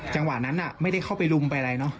จังหวะนั้นไม่ได้เข้าไปรุมไปอะไรเนอะ